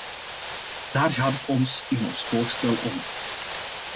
Daar gaat het ons in ons voorstel om.